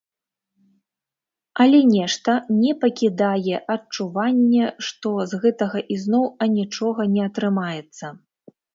Але нешта не пакідае адчуванне, што з гэтага ізноў анічога не атрымаецца.